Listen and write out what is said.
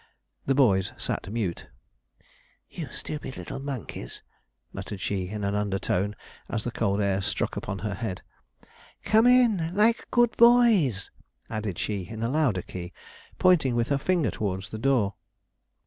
The boys sat mute. 'You little stupid monkeys,' muttered she in an undertone, as the cold air struck upon her head. 'Come in, like good boys,' added she in a louder key, pointing with her finger towards the door.